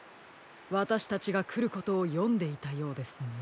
わたしたちがくることをよんでいたようですね。